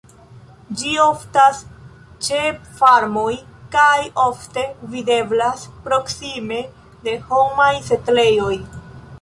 Ĝi oftas ĉe farmoj kaj ofte videblas proksime de homaj setlejoj.